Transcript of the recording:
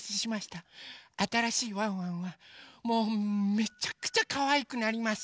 あたらしいワンワンはもうめちゃくちゃかわいくなります。